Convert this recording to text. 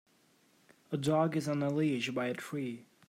A dog is on a leash by a tree